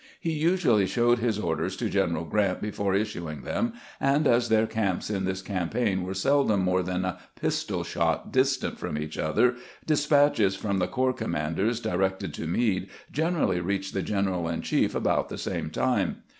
He usually showed his orders to General Grant before issuing them, and as their camps in this campaign were seldom more than a pistol shot distant from each other, despatches from the corps commanders directed to Meade generally reached the general in chief about 116 CAMPAIGNING WITH GEANT the same time.